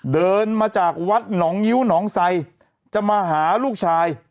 เดินมาจากวัดหนองงิ้วหนองไซจะมาหาลูกชาย